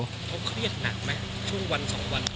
เขาเครียดหนักไหมช่วงวัน๒วัน